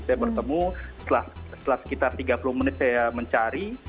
saya bertemu setelah sekitar tiga puluh menit saya mencari